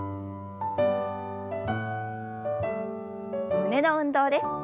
胸の運動です。